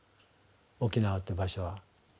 沖縄って場所は。